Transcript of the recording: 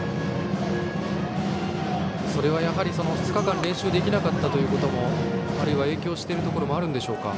それはやはり２日間、練習できなかったことも影響しているところもあるんでしょうか。